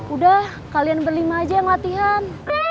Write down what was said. udah kalian berlima aja yang latihan